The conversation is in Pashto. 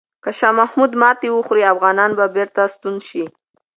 که شاه محمود ماتې وخوري، افغانان به بیرته ستون شي.